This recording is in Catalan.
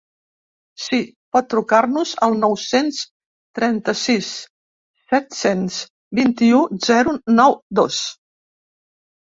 Sí, pot trucar-nos al nou-cents trenta-sis set-cents vint-i-u zero nou dos.